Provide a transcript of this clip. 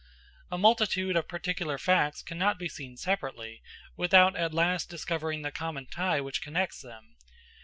A multitude of particular facts cannot be seen separately, without at last discovering the common tie which connects them.